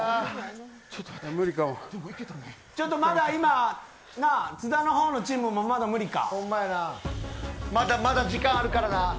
まだ今津田の方のチームもまだ無理か。